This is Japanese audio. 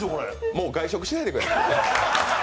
もう外食しないでくださいい。